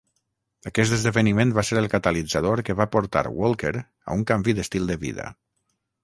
Aquest esdeveniment va ser el catalitzador que va portar Walker a un canvi d'estil de vida.